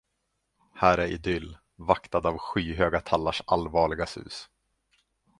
Här är idyll, vaktad av skyhöga tallars allvarliga sus.